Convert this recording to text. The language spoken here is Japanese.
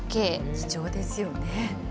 貴重ですよね。